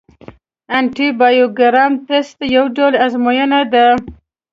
انټي بایوګرام ټسټ یو ډول ازموینه ده.